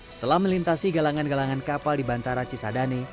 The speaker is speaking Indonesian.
setelah melintasi galangan galangan kapal di bantara cisadane